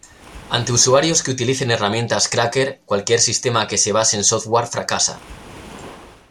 Ante usuarios que utilicen herramientas Cracker, cualquier sistema que se base en software fracasa.